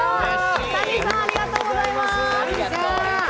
Ｔａｎｉさん、ありがとうございます。